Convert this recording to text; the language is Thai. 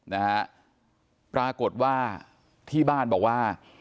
นะฮะปรากฏว่าที่บ้านบอกว่า